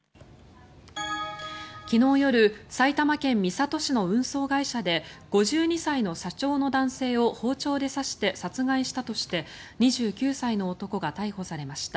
昨日夜埼玉県三郷市の運送会社で５２歳の社長の男性を包丁で刺して殺害したとして２９歳の男が逮捕されました。